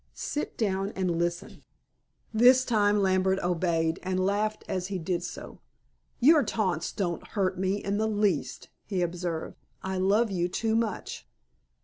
Sit down and listen." This time Lambert obeyed, and laughed as he did so. "Your taunts don't hurt me in the least," he observed. "I love you too much."